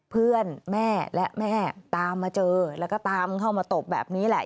เพื่อนแม่และแม่ตามมาเจอแล้วก็ตามเข้ามาตบแบบนี้แหละ